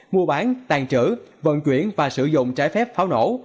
mua bán tàn trữ vận chuyển và sử dụng trái phép pháo nổ